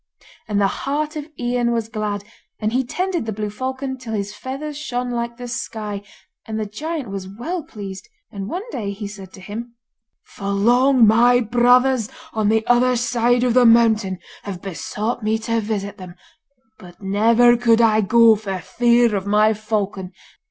And the heart of Ian was glad, and he tended the blue falcon till his fathers shone like the sky, and the giant was well pleased; and one day he said to him: 'For long my brothers on the other side of the mountain have besought me to visit them, but never could I go for fear of my falcon.